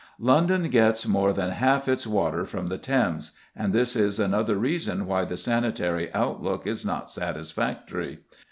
London gets more than half its water from the Thames, and this is another reason why the sanitary outlook is not satisfactory.